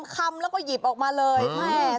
คำแล้วก็หยิบออกมาเลยแม่